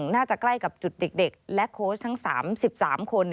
น่าจะใกล้กับจุดเด็กและโค้ชทั้ง๓๓คน